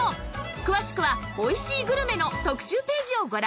詳しくは「おいしいグルメ」の特集ページをご覧ください